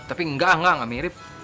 tapi enggak enggak gak mirip